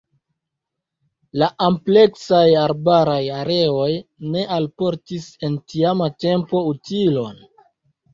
La ampleksaj arbaraj areoj ne alportis en tiama tempo utilon.